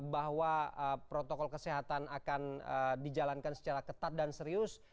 bahwa protokol kesehatan akan dijalankan secara ketat dan serius